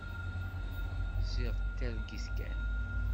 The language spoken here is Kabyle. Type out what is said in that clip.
Ziɣ d targit kan.